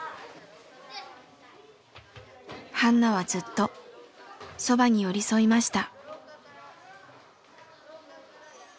ハンナはずっとそばに寄り添いました。